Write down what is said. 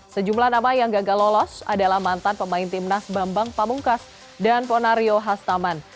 sejumlah nama yang gagal lolos adalah mantan pemain tim nas bambang pak bungkas dan ponario hastaman